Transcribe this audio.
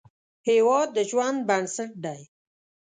هیواد د ژوند بنسټ دی